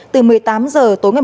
từ một mươi tám h tối ngày một